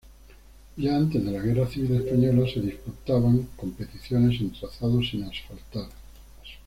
Ya antes de la Guerra Civil Española se disputaban competiciones en trazados sin asfaltar.